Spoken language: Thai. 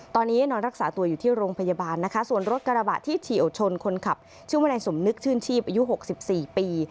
ตอนนี้นอนรักษาตัวอยู่ที่โรงพยาบาลนะคะส่วนรถกระบะที่เฉียวชนคนขับชื่อวนายสมนึกชื่นชีพอายุ๖๔ปี